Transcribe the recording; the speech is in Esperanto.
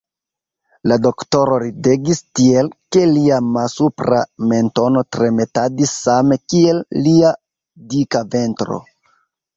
La doktoro ridegis tiel, ke lia malsupra mentono tremetadis same kiel lia dika ventro.